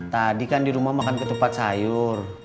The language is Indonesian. tadi kan di rumah makan ketupat sayur